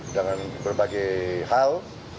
dengan berbagai hal